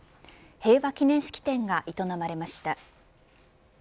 平和記念式典が営まれました。